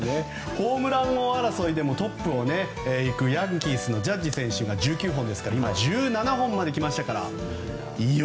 ホームラン王争いでもトップを行くヤンキースのジャッジ選手が１９本で今、１７本まで来ましたから。